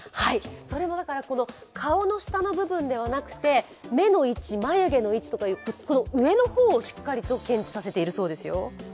それも、顔の下の部分ではなくて目の位置、眉毛の位置とか、上の方をしっかりと検知させてるそうです。